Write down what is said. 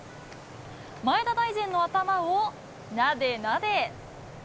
前田の頭をなでなで。